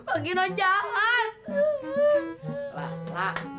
elah elah elah